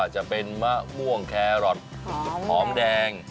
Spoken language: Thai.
จะเป็นมะม่วงแครอทหอมแดง